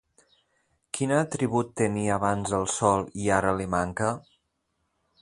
Quin atribut tenia abans el sol i ara li manca?